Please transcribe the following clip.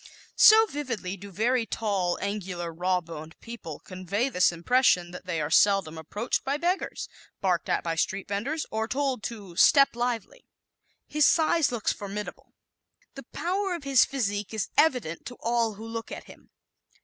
So vividly do very tall, angular, raw boned people convey this impression that they are seldom approached by beggars, barked at by street vendors, or told to "step lively." His Size Looks Formidable ¶ The power of his physique is evident to all who look at him.